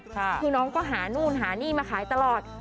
คือน้องก็หานู่นหานี่มาขายตลอด